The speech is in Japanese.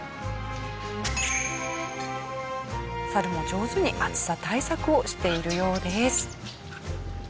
サルも上手に暑さ対策をしているようです。